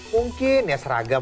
mungkin ya seragam